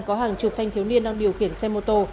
có hàng chục thanh thiếu niên đang điều khiển xe mô tô